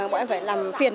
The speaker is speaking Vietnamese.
bọn em phải làm phiền